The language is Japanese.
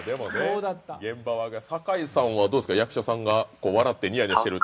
現場、堺さんはどうですか、役所さんが笑ってニヤニヤしてる。